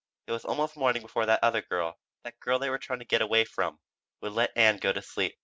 It was almost morning before that other girl, that girl they were trying to get away from, would let Ann go to sleep.